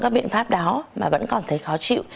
các biện pháp đó mà vẫn còn thấy khó chịu